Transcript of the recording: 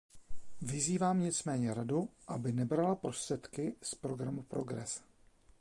Vyzývám nicméně Radu, aby nebrala prostředky z programu Progress.